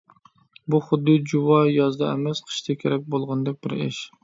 بۇ خۇددى جۇۋا يازدا ئەمەس، قىشتا كېرەك بولغىندەك بىر ئىش.